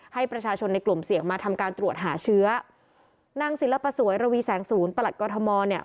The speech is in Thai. ให้ประชาชนในกลุ่มเสี่ยงมาทำการตรวจหาเชื้อนางศิลปสวยระวีแสงศูนย์ประหลัดกอทมเนี่ย